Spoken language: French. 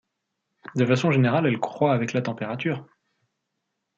De façon générale, elle croît avec la température.